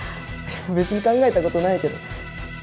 別に考えたことないけど。